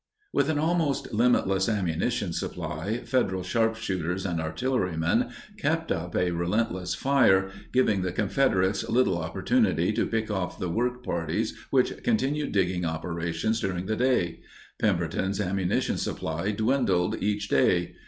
With an almost limitless ammunition supply, Federal sharpshooters and artillerymen kept up a relentless fire, giving the Confederates little opportunity to pick off the work parties which continued digging operations during the day. Pemberton's ammunition supply dwindled each day.